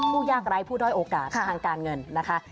ผู้ยากไร้ผู้ด้อยโอกาสทางการเงินนะคะ